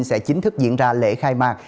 sẽ chính thức diễn ra lễ khai mạc